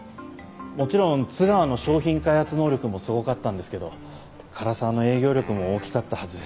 もちろん津川の商品開発能力もすごかったんですけど唐沢の営業力も大きかったはずです。